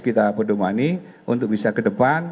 kita berdomani untuk bisa ke depan